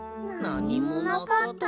なにもなかった。